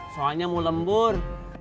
soalnya mau lembur